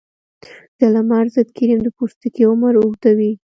د لمر ضد کریم د پوستکي عمر اوږدوي.